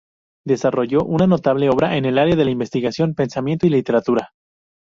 Desarrolló una notable obra en el área de la investigación, pensamiento y literatura.